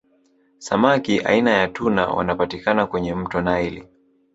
Samaki aina ya tuna wanapatikana kwenye mto naili